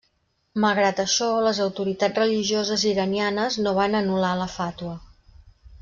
Malgrat això, les autoritats religioses iranianes no van anul·lar la fàtua.